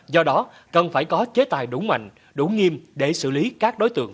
do đó cần phải có chế tài đủ mạnh đủ nghiêm để xử lý các đối tượng